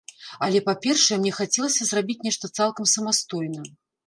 Але, па-першае, мне хацелася зрабіць нешта цалкам самастойна.